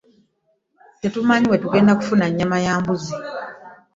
Tetumanyi wetugenda kufuna nyama y'embuzzi.